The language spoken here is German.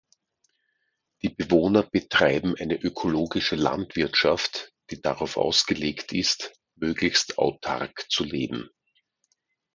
Die Bewohner betreiben eine ökologische Landwirtschaft, die darauf ausgelegt ist, möglichst autark zu leben.